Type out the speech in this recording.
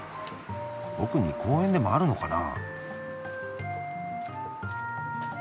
奥に公園でもあるのかな？